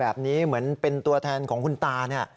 แบบนี้เหมือนเป็นตัวแทนของคุณตา